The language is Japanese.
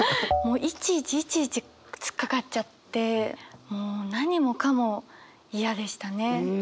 いちいちいちいち突っかかっちゃって何もかも嫌でしたね。